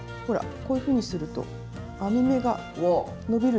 こういうふうにすると編み目が伸びるでしょ！